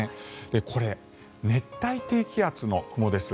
これ、熱帯低気圧の雲です。